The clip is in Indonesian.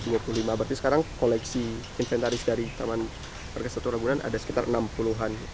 berarti sekarang koleksi inventaris dari taman warga satwa ragunan ada sekitar enam puluh an